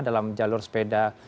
dalam jalur sepeda